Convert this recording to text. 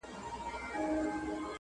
چې که یې په چا کې ګټه نه وه